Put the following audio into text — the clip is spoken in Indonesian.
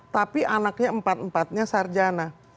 tapi anaknya empat empatnya sarjana